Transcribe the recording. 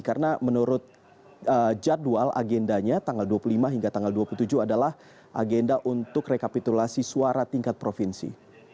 karena menurut jadwal agendanya tanggal dua puluh lima hingga tanggal dua puluh tujuh adalah agenda untuk rekapitulasi suara tingkat provinsi